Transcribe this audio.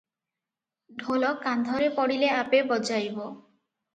ଢୋଲ କାନ୍ଧରେ ପଡିଲେ ଆପେ ବଜାଇବ ।"